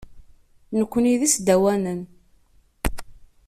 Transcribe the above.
Nukni d isdawanen.